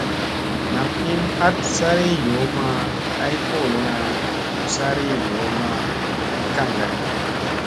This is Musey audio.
Nam hin ɦat sari yoo ma ay kolona u sari yoo ma ay kaŋgana.